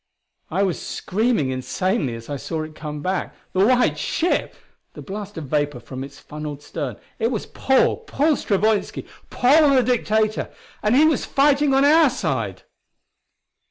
I was screaming insanely as I saw it come back. The white ship! the blast of vapor from its funneled stern It was Paul! Paul Stravoinski! Paul the Dictator! and he was fighting on our side!